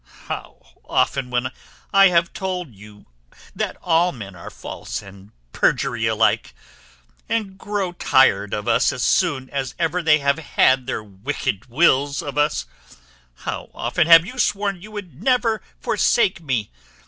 How often, when I have told you that all men are false and perjury alike, and grow tired of us as soon as ever they have had their wicked wills of us, how often have you sworn you would never forsake me!